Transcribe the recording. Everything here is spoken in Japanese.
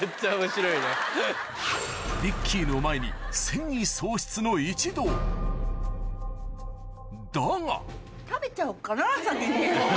プリッキーヌを前に戦意喪失の一同だが先に。